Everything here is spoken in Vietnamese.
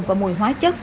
và mùi hóa chất